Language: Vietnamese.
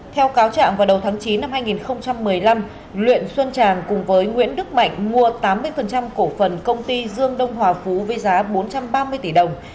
theo cáo trạng vào đầu tháng chín năm hai nghìn một mươi năm luyện xuân tràng cùng với nguyễn đức mạnh mua tám mươi cổ phần công ty dương đông hòa phú với giá bốn trăm ba mươi tỷ đồng